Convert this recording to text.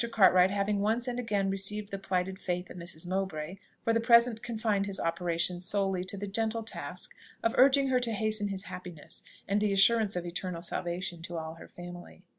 Cartwright having once and again received the plighted faith of Mrs. Mowbray, for the present confined his operations solely to the gentle task of urging her to hasten his happiness, and the assurance of eternal salvation to all her family.